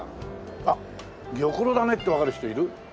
「あっ玉露だね」ってわかる人いる？